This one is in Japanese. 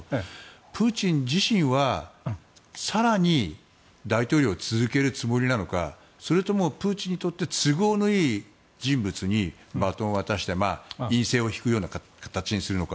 プーチン自身は更に大統領を続けるつもりなのかそれともプーチンにとって都合のいい人物にバトンを渡して院政を敷くような形にするのか。